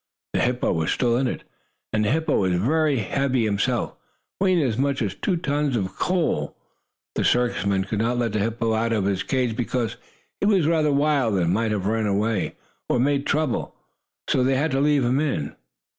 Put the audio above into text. The hippo was still in it, and the hippo was very heavy himself, weighing as much as two tons of coal. The circus men could not let the hippopotamus out of his cage, because he was rather wild, and might have run away or made trouble. So they had to leave him in.